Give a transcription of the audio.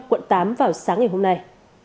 quận tám vào sáng ngày hôm nay